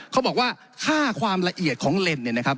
เขาบอกว่าค่าความละเอียดของเลนเนี่ยนะครับ